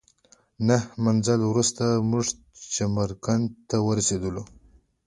نهه منزله وروسته موږ چمرکنډ ته ورسېدلو.